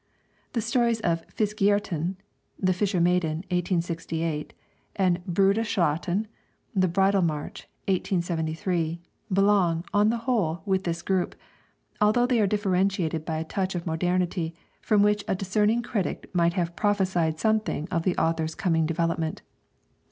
The stories of 'Fiskerjenten' (The Fisher Maiden: 1868), and 'Brude Slaaten' (The Bridal March: 1873), belong, on the whole, with this group; although they are differentiated by a touch of modernity from which a discerning critic might have prophesied something of the author's coming development.